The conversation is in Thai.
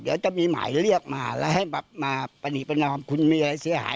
เดี๋ยวจะมีหมายเรียกมาแล้วให้แบบมาประนีประนอมคุณมีอะไรเสียหาย